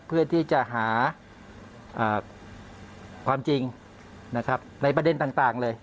เพื่อที่จะหาความจริงนะครับในประเด็นต่างเลย